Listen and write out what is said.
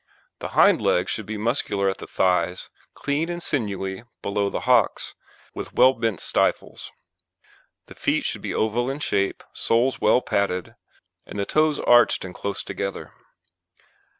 THE HIND LEGS should be muscular at the thighs, clean and sinewy below the hocks, with well bent stifles. THE FEET should be oval in shape, soles well padded, and the toes arched and close together.